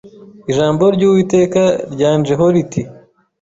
Ijambo ry’Uwiteka ryanjeho riti